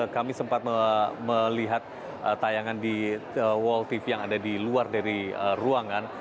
kami sempat melihat tayangan di wall tv yang ada di luar dari ruangan